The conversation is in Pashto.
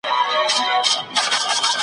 چي په ژوند کي یې په خوب نه وو لیدلی .